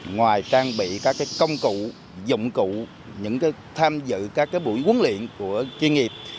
ngoài trang bị các công cụ dụng cụ những tham dự các buổi huấn luyện của chuyên nghiệp